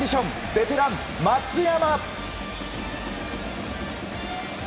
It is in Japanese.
ベテラン松山。